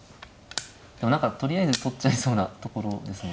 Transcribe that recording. でも何かとりあえず取っちゃいそうなところですよね。